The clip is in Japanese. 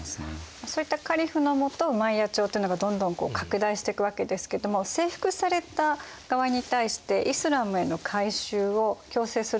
そういったカリフの下ウマイヤ朝っていうのがどんどん拡大していくわけですけども征服された側に対してイスラームへの改宗を強制することは？